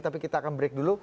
tapi kita akan break dulu